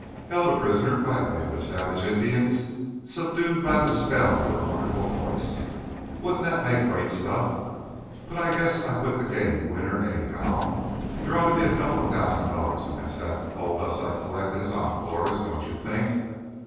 'Held a prisoner by a band of savage Indians subdued by the spell of her wonderful voice'—wouldn't that make great stuff? But I guess I quit the game winner, anyhow—there ought to be a couple of thousand dollars in that sack of gold dust I collected as encores, don't you think?"